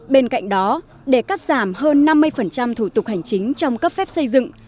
bên cạnh đó để cắt giảm hơn năm mươi thủ tục hành chính trong cấp phép xây dựng